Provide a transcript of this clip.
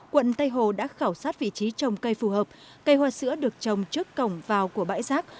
quận tây hồ đã khảo sát vị trí trồng cây phù hợp cây hoa sữa được trồng trước cổng vào của bãi rác